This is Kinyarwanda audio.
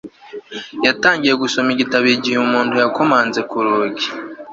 Yatangiye gusoma igitabo igihe umuntu yakomanze ku rugi